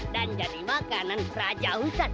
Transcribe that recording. dan jadi makanan raja hutan